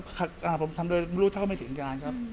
เพราะฉะนั้นผมทำโดยไม่รู้ถ้าเขาไม่สินการครับ